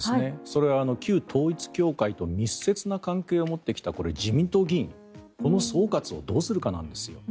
それは旧統一教会と密接な関係を持ってきた自民党議員、この総括をどうするかなんですよ。